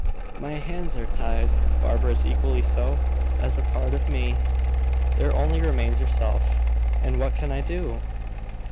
My hands are tied; Barbara's equally so, as part of me. There only remains yourself." "And what can I do?"